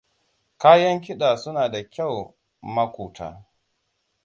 Kayan kiɗa suna da kyau makuta.